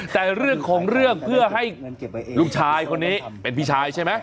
แต่เรื่องของเรื่องเพื่อให้ลูกชายคนนี้เป็นพี่ชายใช่ไหม